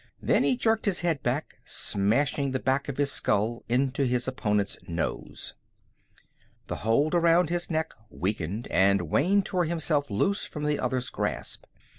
Then he jerked his head back, smashing the back of his skull into his opponent's nose. The hold around his neck weakened, and Wayne tore himself loose from the other's grasp.